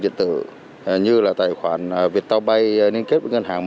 đối tượng đã sử dụng các tài khoản đăng ký ví điện tử như là tài khoản viettel pay liên kết với ngân hàng mb